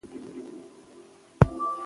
که جمله ناسمه وه، نو موږ یې ردوو.